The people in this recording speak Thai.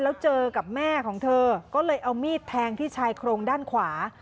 แล้วเจอกับแม่ของเธอก็เลยเอามีดแทงที่ชายโครงด้านขวา